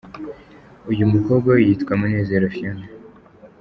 Uyu mukobwa we yitwa Munezero Phionah.